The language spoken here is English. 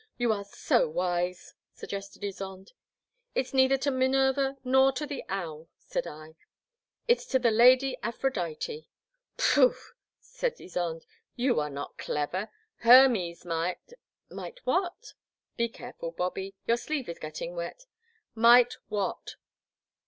You are so wise," sug gested Ysonde. It 's neither to Minerva nor to the owl," said I, *' it 's to the I^ady Aphrodite." Pooh !" said Ysonde, you are not clever ; Hermes might "Might what?" Be careful, Bobby, your sleeve is getting wet "Might what?"